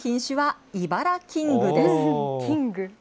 キング？